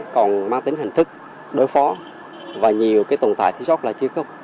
còn mang tính hình thức đối phó và nhiều tồn tại chứa sốt là chưa có